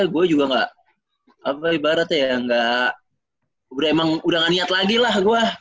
gue juga gak ibaratnya ya udah emang gak niat lagi lah gue